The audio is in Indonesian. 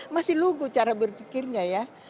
masih logo cara berpikirnya ya